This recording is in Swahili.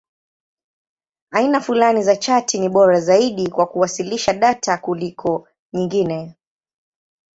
Aina fulani za chati ni bora zaidi kwa kuwasilisha data kuliko nyingine.